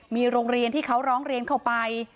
มีโรงเรียนที่เขาร้องเรียนเข้าไป